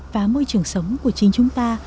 và môi trường sống của chính chúng ta